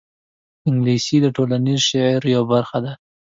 انګلیسي د ټولنیز شعور برخه ده